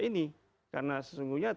ini karena sesungguhnya